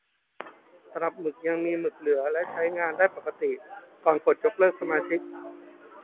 ตลับหมึกยังมีหมึกเหลือและใช้งานได้ปกติก่อนกดยกเลิกสมาชิก